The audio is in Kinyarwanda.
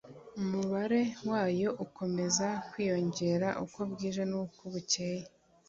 umubare wayo ukomeza kwiyongera uko bwije n uko bukeye